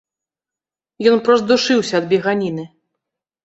Ён прост душыўся ад беганіны.